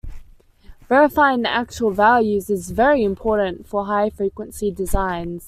Verifying the actual values is very important for high frequency designs.